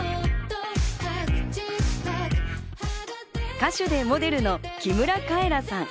歌手でモデルの木村カエラさん。